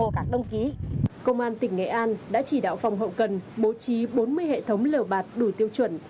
công an tỉnh nghệ an đã chỉ đạo phòng hậu cần bố trí bốn mươi hệ thống liều bạt đủ tiêu chuẩn